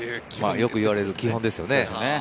よく言われる基本ですね。